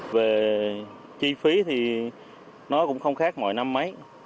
về chi phí thì nó cũng không khác mọi năm mấy